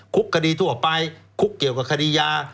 คุกคดีทั่วไปคุกเกี่ยวกับคดียา